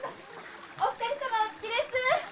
お二人さまお着きです！